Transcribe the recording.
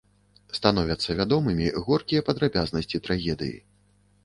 Становяцца вядомымі горкія падрабязнасці трагедыі.